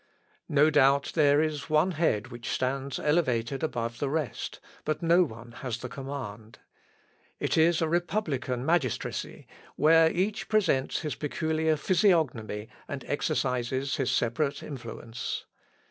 No doubt there is one head which stands elevated above the rest, but no one has the command. It is a republican magistracy, where each presents his peculiar physiognomy, and exercises his separate influence.